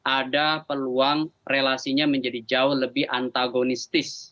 ada peluang relasinya menjadi jauh lebih antagonistis